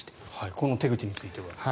この手口については。